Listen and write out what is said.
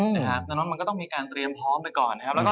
ดังนั้นมันก็ต้องมีการเตรียมพร้อมไปก่อนนะครับ